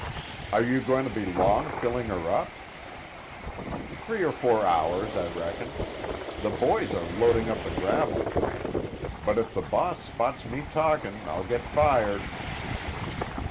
"Are you going to be long filling her up?" "Three or four hours, I reckon. The boys are loading up the gravel train. But if the boss spots me talking, I'll get fired."